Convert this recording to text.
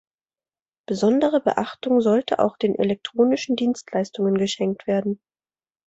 Besondere Beachtung sollte auch den elektronischen Dienstleistungen geschenkt werden.